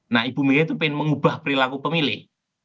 nah ibu mega itu ingin mengubah perilaku pemilih